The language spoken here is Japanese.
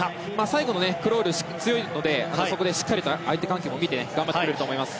最後のクロール強いのでそこでしっかりと相手関係も見て頑張ってくれると思います。